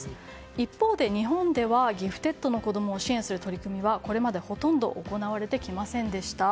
一方で日本ではギフテッドの子供を支援する取り組みはこれまで、ほとんど行われてきませんでした。